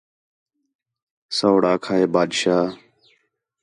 سوڑ آکھا ہِے بادشاہ